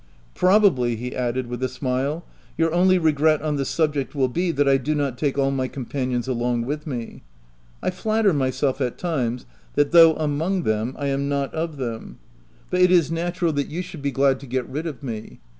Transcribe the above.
" Probably," he added, with a smile, "your only regret on the subject will be, that I do not take all my companions along with me. I flatter myself, at times, that though among them, I am not of them ; but it is natural that you 36 THE TENANT should be glad to get rid of me.